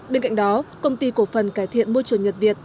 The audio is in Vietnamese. bên cạnh đó công ty cổ phần cải thiện môi trường nhật việt